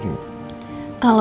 eh in atau lehtar